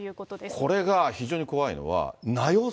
これが非常に怖いのは、名寄せ。